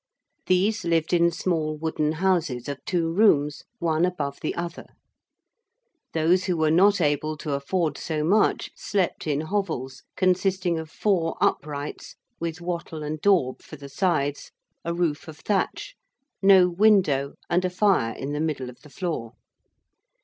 These lived in small wooden houses of two rooms, one above the other: those who were not able to afford so much slept in hovels, consisting of four uprights with 'wattle and daub' for the sides, a roof of thatch, no window, and a fire in the middle of the floor.